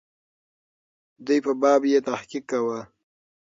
دوی په باب یې تحقیق کاوه.